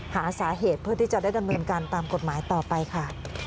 หาสาเหตุเพื่อที่จะได้ดำเนินการตามกฎหมายต่อไปค่ะ